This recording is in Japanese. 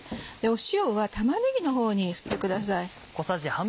塩は玉ねぎのほうに振ってください。